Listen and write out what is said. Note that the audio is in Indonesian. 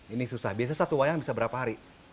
ini susah biasanya satu wayang bisa berapa hari